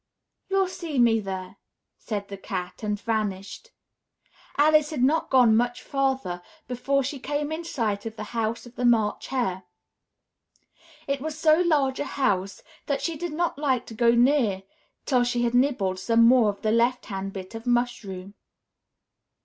"You'll see me there," said the Cat, and vanished. Alice had not gone much farther before she came in sight of the house of the March Hare; it was so large a house that she did not like to go near till she had nibbled some more of the left hand bit of mushroom.